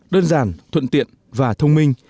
đơn giản thuận tiện và thông minh